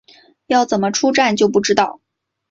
要怎么出站就不知道